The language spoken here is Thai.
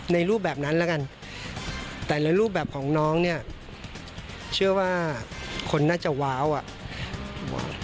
รูปแบบนั้นแล้วกันแต่ละรูปแบบของน้องเนี่ยเชื่อว่าคนน่าจะว้าวอ่ะ